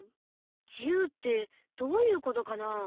自由ってどういうことかなあ？